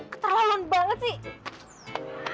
keterlaluan banget sih